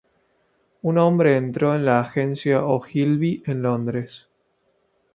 Un hombre entró en la agencia Ogilvy en Londres.